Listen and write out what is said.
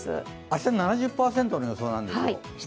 明日、７０％の予想なんですよ。